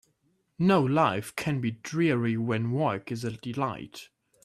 No life can be dreary when work is a delight.